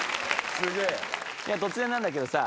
いや突然なんだけどさ。